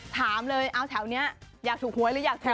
ถามเลยเอาแถวนี้อยากถูกหวยหรืออยากถูก